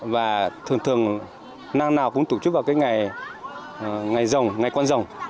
và thường thường nam nào cũng tổ chức vào ngày dòng ngày quan dòng